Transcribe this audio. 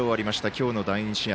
今日の第２試合。